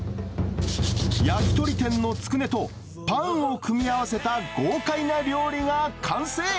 焼き鳥店のつくねとパンを組み合わせた豪快な料理が完成。